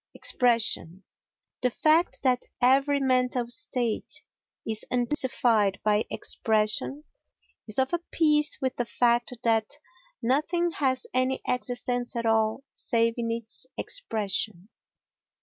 Expression The fact that every mental state is intensified by expression is of a piece with the fact that nothing has any existence at all save in its expression.